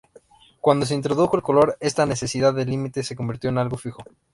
Cuando se introdujo el color, esta necesidad de límite se convirtió en algo fijo.